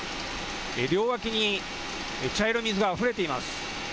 両脇に茶色い水があふれています。